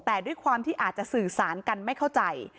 แต่ด้วยความที่อาจจะสื่อสารกันไม่เข้าใจ